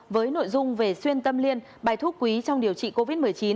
với nội dung về xuyên tâm liên bài thuốc quý trong điều trị covid một mươi chín